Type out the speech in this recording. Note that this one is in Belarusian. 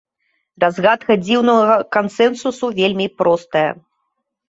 Разгадка дзіўнага кансэнсусу вельмі простая.